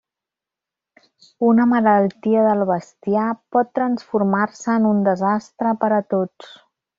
Una malaltia del bestiar pot transformar-se en un desastre per a tots.